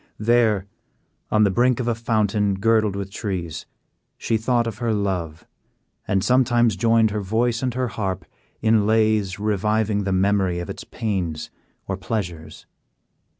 There, on the brink of a fountain girdled with trees, she thought of her love, and sometimes joined her voice and her harp in lays reviving the memory of its pains or pleasures.